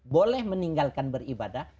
boleh meninggalkan beribadah